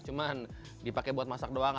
cuman dipakai buat masak doang